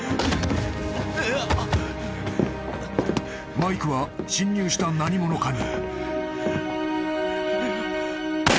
［マイクは侵入した何者かに］